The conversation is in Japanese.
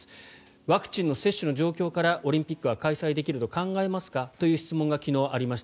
ワクチンの接種の状況からオリンピックは開催できると考えますか？という質問が昨日、ありました。